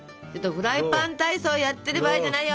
フライパン体操やってる場合じゃないよ。